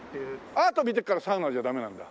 アート見てからサウナじゃダメなんだ？